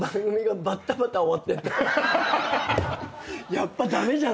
やっぱ駄目じゃん